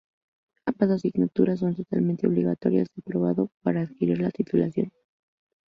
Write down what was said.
Ambas asignaturas son totalmente obligatorias de aprobado para adquirir la titulación.